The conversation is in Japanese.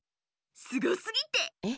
すごすぎてえっ？